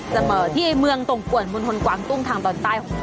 จะเมอะที่เมืองต่งกว่นหมณฑรกวางตรงทางต่างอีก